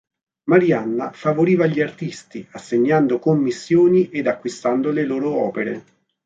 Marianna favoriva gli artisti assegnando commissioni ed acquistando le loro opere.